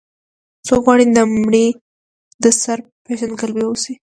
څوک غواړي د مړي د سر پېژندګلوي واوسي.